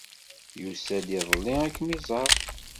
Yusa-d iḍelli ad kem-iẓer.